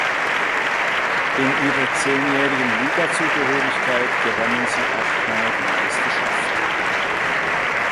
In ihrer zehnjährigen Ligazugehörigkeit gewannen sie achtmal die Meisterschaft.